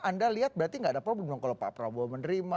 anda lihat berarti nggak ada problem dong kalau pak prabowo menerima